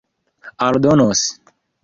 aldonos